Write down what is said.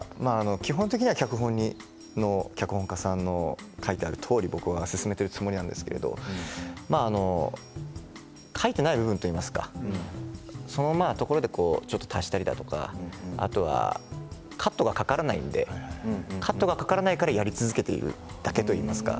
基本的には脚本に脚本家さんが書いてあるとおり僕は進めているつもりなんですけど書いていない部分といいますかそういうところで足したりとかあとはカットがかからないのでカットがかからないからやり続けているだけといいますか。